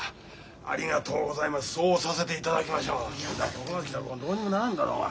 ここまできたらどうにもならんだろうが。